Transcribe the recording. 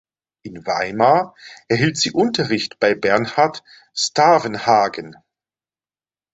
In Weimar erhielt sie Unterricht bei Bernhard Stavenhagen.